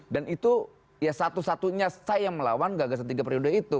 itu ya satu satunya saya melawan gagasan tiga periode itu